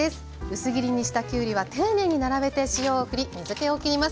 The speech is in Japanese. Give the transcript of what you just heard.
薄切りにしたきゅうりは丁寧に並べて塩をふり水けをきります。